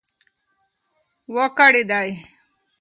و کړېدی .